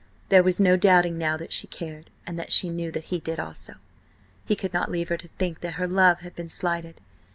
There was no doubting now that she cared, and that she knew that he did also. He could not leave her to think that her love had been slighted.